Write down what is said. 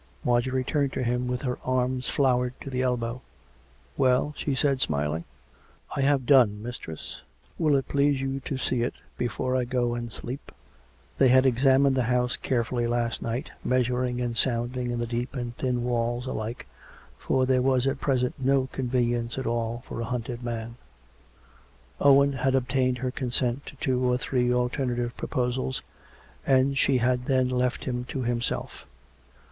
Marjorie turned to him, with her arms floured to the elbow. " Well ?" she said, smiling. " I have done, mistress. Will it please you to see it before I go and sleep ?" They had examined the house carefully last night, measuring and sounding in the deep and thin walls alike, for there was at present no convenience at all for a himted COME RACK! COME ROPE! 201 man. Owen had obtained her consent to two or three alternative proposals, and she had then left him to himself.